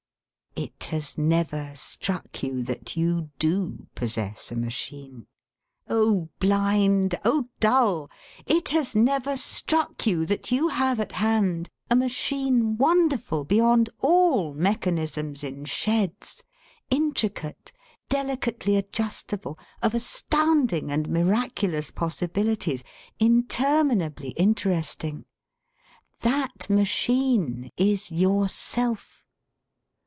It has never struck you that you do possess a machine! Oh, blind! Oh, dull! It has never struck you that you have at hand a machine wonderful beyond all mechanisms in sheds, intricate, delicately adjustable, of astounding and miraculous possibilities, interminably interesting! That machine is yourself.